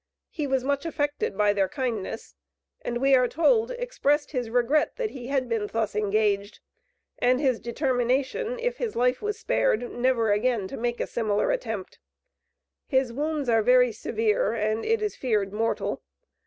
He was much affected by their kindness, and we are told, expressed his regret that he had been thus engaged, and his determination, if his life was spared, never again to make a similar attempt. His wounds are very severe, and it is feared mortal.